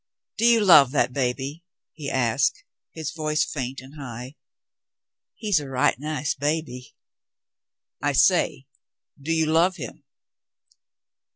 "Do you love that baby ?" he asked, his voice faint and high. "He's a right nice baby." " I say — do you love him